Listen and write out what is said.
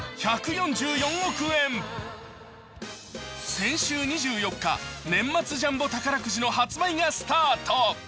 先週２４日、年末ジャンボ宝くじの発売がスタート。